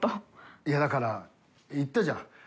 いやだから言ったじゃん。